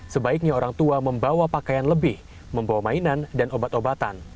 sebaiknya orang tua membawa pakaian lebih membawa mainan dan obat obatan